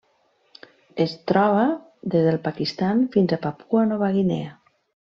Es troba des del Pakistan fins a Papua Nova Guinea.